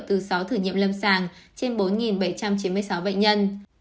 từ sáu thử nghiệm lâm sàng trên bốn bảy trăm chín mươi sáu bệnh nhân